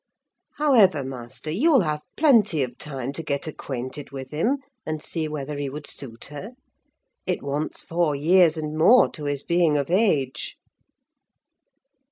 However, master, you'll have plenty of time to get acquainted with him and see whether he would suit her: it wants four years and more to his being of age.